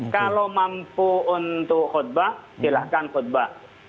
kalau mampu untuk khutbah silahkan khutbah